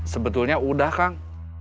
sebetulnya udah kang